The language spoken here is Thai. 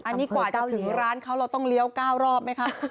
อันนี้กว่าจะถึงร้านเขาเราต้องเลี้ยว๙รอบไหมคะ